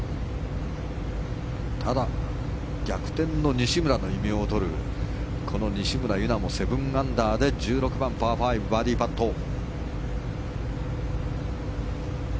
ただ逆転の西村の異名を取るこの西村優菜も７アンダーで１６番、パー５バーディーパット。